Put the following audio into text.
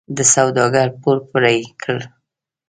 د سوداګر پور پرې کړي.